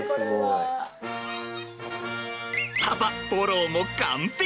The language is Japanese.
パパフォローも完璧。